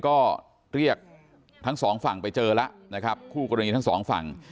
ก็เรียกทั้งสองฝั่งไปเจอแล้วนะครับคู่กรณีทั้งสองฝั่ง